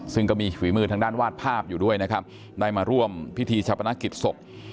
ซึ่งก็มีฝีมือทางด้านวาดภาพอยู่ด้วยนะครับได้มาร่วมพิธีชาปนกิจศพ